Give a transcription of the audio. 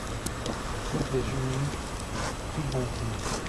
Route des Junies, Prigonrieux